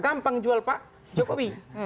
gampang jual pak jokowi